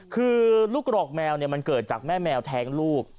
คือลูกกรอกแมวมันเกิดจากแม่แมวแท้งลูก